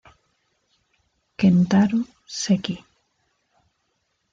Kentaro Seki